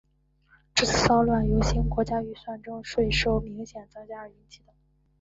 这次骚乱由新国家预算中税收明显增加而引起。